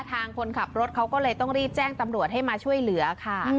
คนขับรถเขาก็เลยต้องรีบแจ้งตำรวจให้มาช่วยเหลือค่ะ